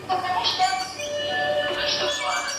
زما خور په خپل لپټاپ کې درسونه لولي.